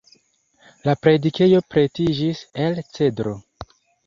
La predikejo pretiĝis el cedro.